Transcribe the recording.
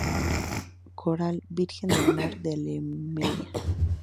Coral Virgen del Mar de Almería.